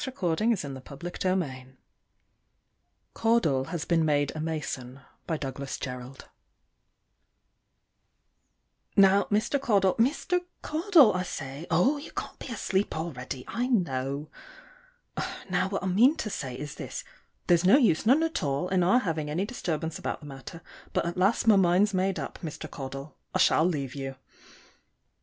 seeing's not believing! THOMAS HAYNES BAYLEY. CAUDLE HAS BEEN MADE A MASON. Now, Mr. Caudle Mr. Caudle, I say: oh! you can't be asleep already, I know. Now, what I mean to say is this: there's no use, none at all, in our having any disturbance about the matter; but at last my mind's made up, Mr. Caudle; I shall leave you.